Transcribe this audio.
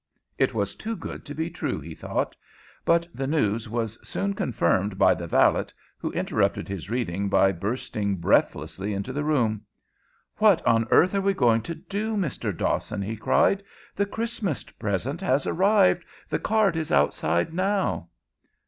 It was too good to be true, he thought; but the news was soon confirmed by the valet, who interrupted his reading by bursting breathlessly into the room. "What on earth are we going to do, Mr. Dawson?" he cried. "The Christmas present has arrived. The cart is outside now."